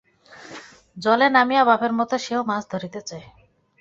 জলে নামিয়া বাপের মতো সেও মাছ ধরিতে চায়।